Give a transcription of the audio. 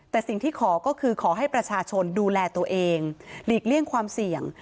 แต่สิ่งที่ขอก็คือขอให้ประชาชนดูแลตัวเองหลีกเลี่ยงความเสี่ยง